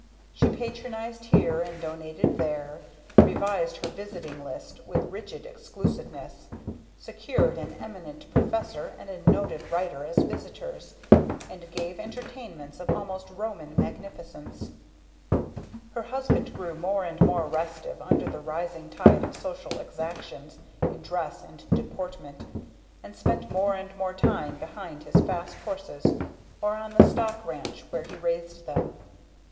She Patronized here, and Donated there; revised her visiting list with rigid exclusiveness; secured an Eminent Professor and a Noted Writer as visitors, and gave entertainments of almost Roman magnificence. Her husband grew more and more restive under the rising tide of social exactions in dress and deportment; and spent more and more time behind his fast horses, or on the stock ranch where he raised them.